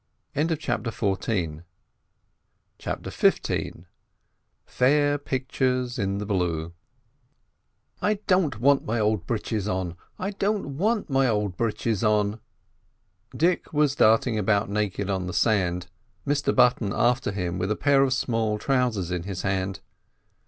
CHAPTER XV FAIR PICTURES IN THE BLUE "I don't want my old britches on! I don't want my old britches on!" Dick was darting about naked on the sand, Mr Button after him with a pair of small trousers in his hand.